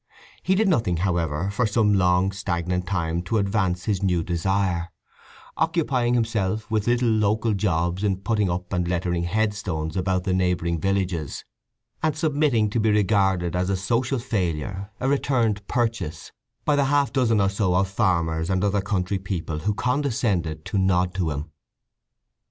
He did nothing, however, for some long stagnant time to advance his new desire, occupying himself with little local jobs in putting up and lettering headstones about the neighbouring villages, and submitting to be regarded as a social failure, a returned purchase, by the half dozen or so of farmers and other country people who condescended to nod to him.